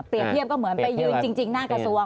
เทียบก็เหมือนไปยืนจริงหน้ากระทรวง